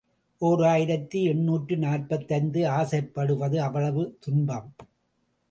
ஓர் ஆயிரத்து எண்ணூற்று நாற்பத்தைந்து ஆசைப்படுவது அவ்வளவும் துன்பம்.